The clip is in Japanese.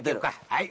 はい。